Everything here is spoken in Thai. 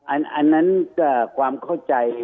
อันนั้นก็ความเข้าใจ